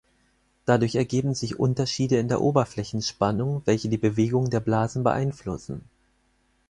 Dadurch ergeben sich Unterschiede in der Oberflächenspannung, welche die Bewegungen der Blasen beeinflussen.